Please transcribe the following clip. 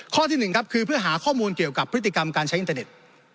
ข้อที่๑ครับคือเพื่อหาข้อมูลเกี่ยวกับพฤติกรรมการใช้อินเทอร์เน็ต